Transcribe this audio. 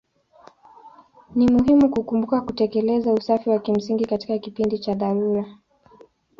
Ni muhimu kukumbuka kutekeleza usafi wa kimsingi katika kipindi cha dharura.